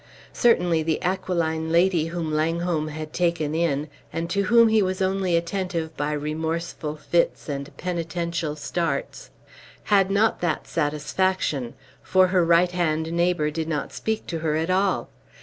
Certainly the aquiline lady whom Langholm had taken in, and to whom he was only attentive by remorseful fits and penitential starts, had not that satisfaction; for her right hand neighbor did not speak to her at all.